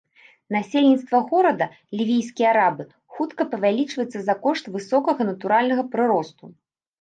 Насельніцтва горада, лівійскія арабы, хутка павялічваецца за кошт высокага натуральнага прыросту.